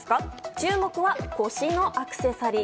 注目は腰のアクセサリー。